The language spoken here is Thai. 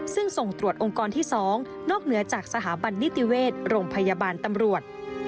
ซึ่งส่งตรวจองค์กรที่๒นอกเหนือจากสถาบันนิติเวชโรงพยาบาลตำรวจ